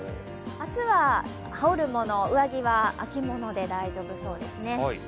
明日は羽織るもの、上着は秋物で大丈夫そうですね。